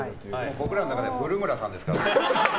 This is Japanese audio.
僕らの中ではブル村さんですから。